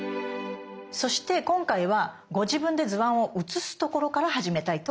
そして今回はご自分で図案を写すところから始めたいと思います。